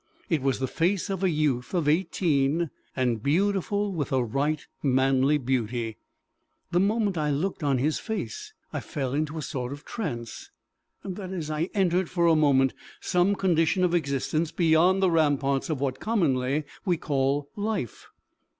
It was the face of a youth of eighteen, and beautiful with a right manly beauty. The moment I looked on this face, I fell into a sort of trance that is, I entered for a moment some condition of existence beyond the ramparts of what commonly we call life.